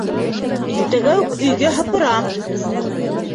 Иртәгә үк өйгә һыпырам.